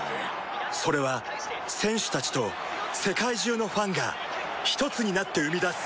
それは選手たちと世界中のファンがひとつになって生み出す